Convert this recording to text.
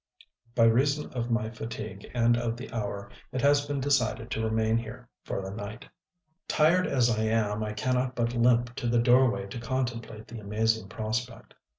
By reason of my fatigue and of the hour, it has been decided to remain here for the night. Tired as I am, I cannot but limp to the doorway to contemplate the amazing prospect.